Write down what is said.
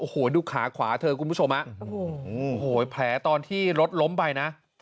โอ้โหดูขาขวาเธอคุณผู้ชมฮะโอ้โหแผลตอนที่รถล้มไปนะ